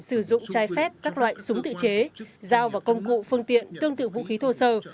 sử dụng trái phép các loại súng tự chế dao và công cụ phương tiện tương tự vũ khí thô sơ